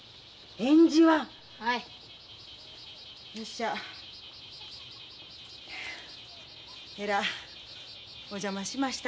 えらいお邪魔しました。